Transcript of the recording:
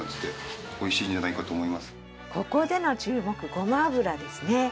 ここでの注目ごま油ですね。